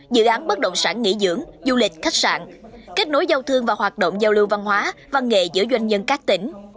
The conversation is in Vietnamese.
dự án bất động sản nghỉ dưỡng du lịch khách sạn kết nối giao thương và hoạt động giao lưu văn hóa văn nghệ giữa doanh nhân các tỉnh